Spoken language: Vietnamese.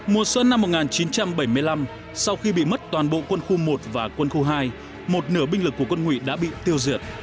mùa xuân năm một nghìn chín trăm bảy mươi năm sau khi bị mất toàn bộ quân khu một và quân khu hai một nửa binh lực của quân hủy đã bị tiêu diệt